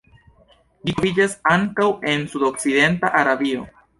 Ĝi troviĝas ankaŭ en sudokcidenta Arabio.